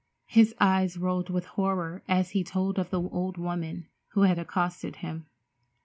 His eyes rolled with horror as he told of the old woman who had accosted him.